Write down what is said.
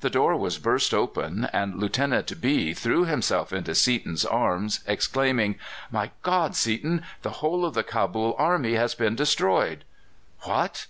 The door was burst open, and Lieutenant B threw himself into Seaton's arms, exclaiming: "My God, Seaton! the whole of the Cabul army has been destroyed!" "What!